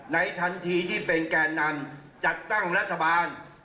ทันทีที่เป็นแก่นำจัดตั้งรัฐบาล